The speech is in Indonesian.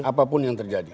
apapun yang terjadi